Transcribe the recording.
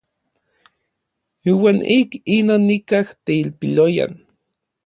Iuan ik inon nikaj teilpiloyan.